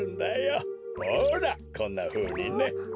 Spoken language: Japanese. ほらこんなふうにね。